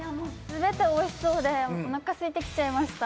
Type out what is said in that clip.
全ておいしそうでおなかすいてきちゃいました。